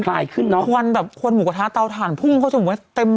กลายขึ้นเนอะควรแบบควรหมูกระทะเตาถ่านพรุ่งเขาจะหมูให้เต็ม